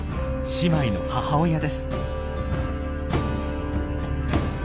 姉妹の母親です。